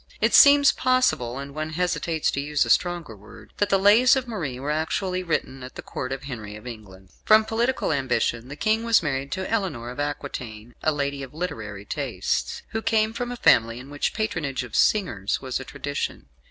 It seems possible (and one hesitates to use a stronger word) that the "Lays" of Marie were actually written at the Court of Henry of England. From political ambition the King was married to Eleanor of Aquitaine, a lady of literary tastes, who came from a family in which the patronage of singers was a tradition.